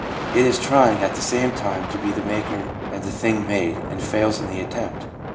It is trying at the same time to be the maker and the thing made, and fails in the attempt.